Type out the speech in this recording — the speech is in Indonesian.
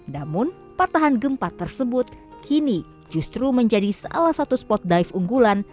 namun patahan gempa tersebut kini justru menjadi salah satu spot dive unggulan